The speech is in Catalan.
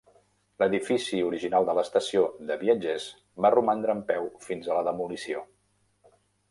L'edifici original de l'estació de viatgers va romandre en peu fins a la demolició.